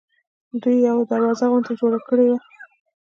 دوی یوه دروازه غوندې جوړه کړې وه.